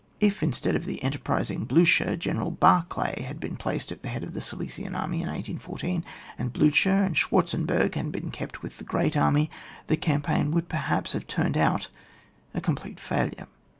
If, instead of the enterprising Bliidier, General Barclay had been placed at the head of the 8ilesian army in 1814, and Bliicher and Schwartzenberg had been kept with the grand army, the campaign would perhaps have turned out a complete failure.